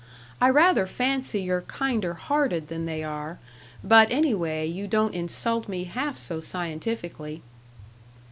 I rather fancy you're kinder hearted than they are; but, anyway, you don't insult me half so scientifically."